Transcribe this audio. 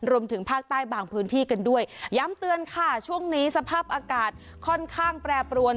รวมถึงภาคใต้บางพื้นที่กันด้วยย้ำเตือนค่ะช่วงนี้สภาพอากาศค่อนข้างแปรปรวน